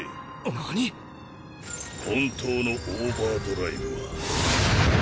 何⁉本当のオーバードライブは。